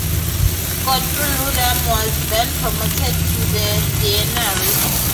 Godfrey Ludham was then promoted to the deanery.